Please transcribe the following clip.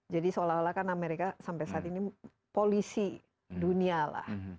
jadi seolah olah kan amerika sampai saat ini polisi dunia